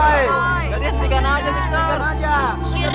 jadi hentikan aja mister